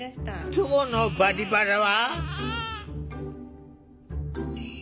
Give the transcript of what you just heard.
今日の「バリバラ」は。